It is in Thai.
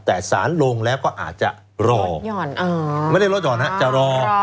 แต่สารลงแล้วก็อาจจะรอไม่ได้ลดห่อนฮะจะรอ